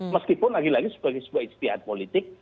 meskipun lagi lagi sebagai sebuah istiad politik